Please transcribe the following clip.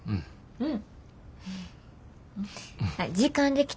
うん。